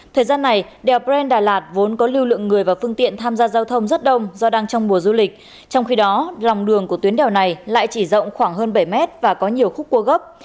thời gian này đèo brent đà lạt vốn có lưu lượng người và phương tiện tham gia giao thông rất đông do đang trong mùa du lịch trong khi đó lòng đường của tuyến đèo này lại chỉ rộng khoảng hơn bảy mét và có nhiều khúc cua gấp